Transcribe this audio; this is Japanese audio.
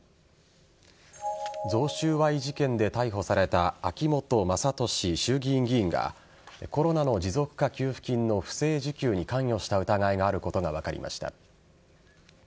贈収賄事件で逮捕された秋本真利衆議院議員がコロナの持続化給付金の不正受給に関与した疑いがあることが分かりました。